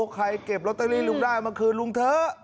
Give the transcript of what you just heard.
ใครเก็บอล็อตเตอรี่ลุงได้เมื่องคืนลุงเด้อ